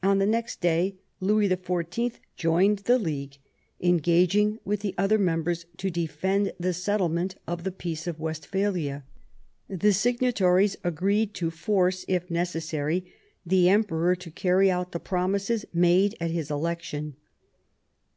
On the next day Louis XIV. joined the League, en gaging with the other members to defend the settlement of the Peace of Westphalia. The signatories agreed to force, if necessary, the Emperor to carry out the promises made at his election.